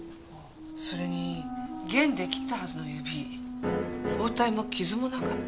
それに弦で切ったはずの指包帯も傷もなかった。